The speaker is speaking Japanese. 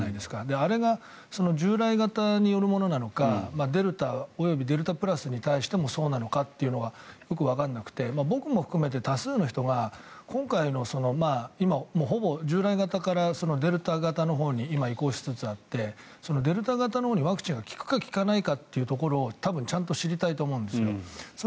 あれが従来型によるものなのかデルタ及びデルタプラスに対してもそうなのかというのがよくわからなくて僕も含めて多数の人が今回の今、ほぼ従来型からデルタ型のほうに今、移行しつつあってデルタ型のほうにワクチンが効くか効かないかというところを多分ちゃんと知りたいと思うんですよ。